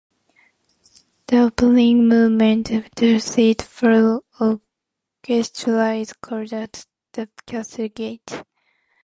The opening movement of the suite for orchestra is called "At the Castle Gate".